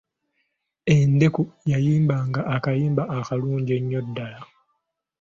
Endeku yayimbanga akayimba akalungi ennyo ddala.